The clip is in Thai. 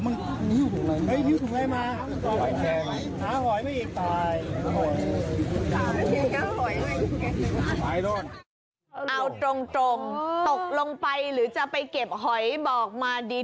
เอาตรงตกลงไปหรือจะไปเก็บหอยบอกมาดี